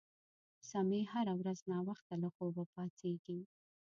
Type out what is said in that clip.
سمیع هره ورځ ناوخته له خوبه پاڅیږي